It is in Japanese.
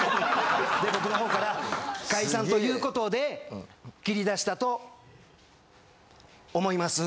で僕の方から解散ということで切り出したと思います。